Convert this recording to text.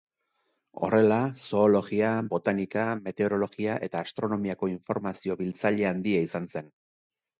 Horrela, zoologia, botanika, meteorologia eta astronomiako informazio-biltzaile handia izan zen.